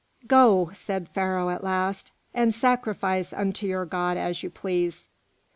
"Go," said Pharaoh at last, "and sacrifice unto your God as you please."